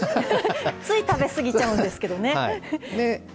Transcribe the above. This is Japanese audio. つい食べ過ぎちゃうんですけどね。